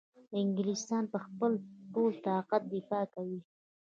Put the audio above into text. انګلیسیان به په خپل ټول طاقت دفاع کوي.